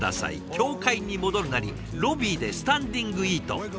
協会に戻るなりロビーでスタンディングイート。